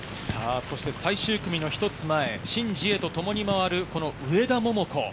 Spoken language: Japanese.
最終組の１つ前、シン・ジエと共に回る上田桃子。